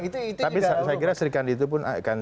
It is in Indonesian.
tapi saya kira serikandi itu pun akan